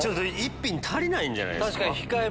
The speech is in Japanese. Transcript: ⁉１品足りないんじゃないですか？